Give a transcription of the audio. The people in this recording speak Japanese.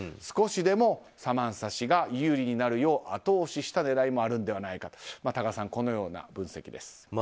少しでもサマンサ氏が有利になるよう後押しした狙いもあるんではないかと多賀さん、このような分析です。